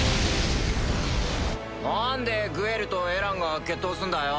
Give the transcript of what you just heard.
なんでグエルとエランが決闘すんだよ？